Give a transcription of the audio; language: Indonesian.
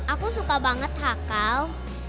aku suka banget hakau